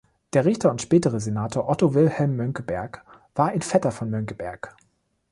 Der Richter und spätere Senator Otto Wilhelm Mönckeberg war ein Vetter von Mönckeberg.